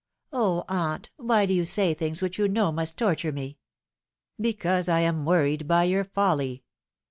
" O, aunt, why do you say things which you know must torture me ?"" Because I am worried by your folly.